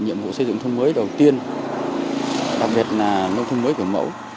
nhiệm vụ xây dựng thông mới đầu tiên đặc biệt là nông thông mới kiểu mẫu